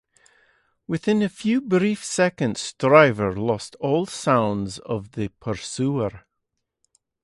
Within a few brief seconds, Striver lost all sounds of the pursuer.